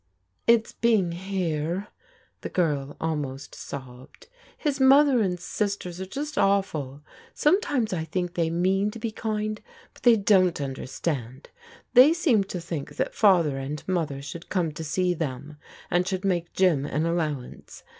"It's being here," the girl almost sobbed. "His mother and sisters are just awful. Sometimes I think they mean to be kind, but they don't imderstand. They seem to think that Father and Mother should come to see them, and should make Jim an allowance.